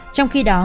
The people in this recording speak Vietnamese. trong khi đó